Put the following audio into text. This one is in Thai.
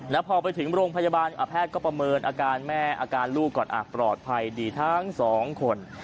แล้วพอไปถึงโรงพยาบาลแพทย์ก็ประเมินอาการแม่อาการลูกก่อนปลอดภัยดีทั้งสองคน